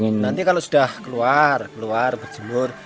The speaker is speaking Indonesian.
ya nanti kalau sudah keluar berjemur